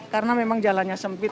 karena memang jalannya sempit